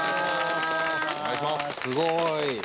すごい。